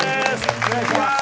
お願いします。